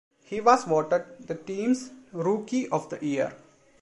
He was voted the team's Rookie of the Year.